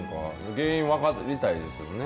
原因、分かりたいですよね。